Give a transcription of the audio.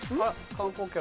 観光客。